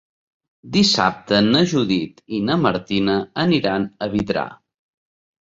Dissabte na Judit i na Martina aniran a Vidrà.